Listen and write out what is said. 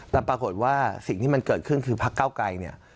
ที่มันเกิดขึ้นคือพักเก้าไกลเนี่ย